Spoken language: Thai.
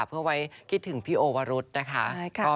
เพื่อไว้คิดถึงพี่โอวรุษนะคะ